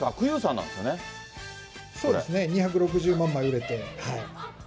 そうですね、２６０万枚売れて。